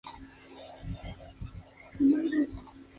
Cursó sus estudios escolares en el Colegio Nacional San Juan, en Trujillo.